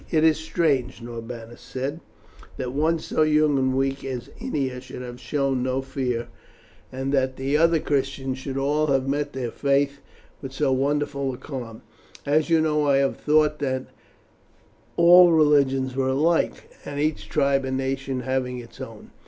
"It is strange," Norbanus said, "that one so young and weak as Ennia should have shown no fear, and that the other Christians should all have met their fate with so wonderful a calm. As you know, I have thought that all religions were alike, each tribe and nation having its own.